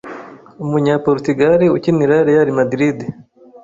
umunya Portugal ukinira Real Madrid